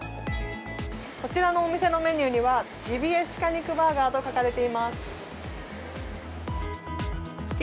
こちらのお店のメニューには、ジビエ鹿肉バーガーと書かれています。